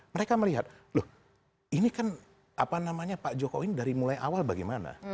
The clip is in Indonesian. mereka melihat loh ini kan apa namanya pak jokowi dari mulai awal bagaimana